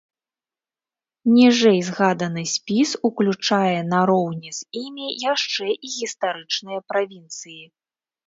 Ніжэйзгаданы спіс уключае нароўні з імі яшчэ і гістарычныя правінцыі.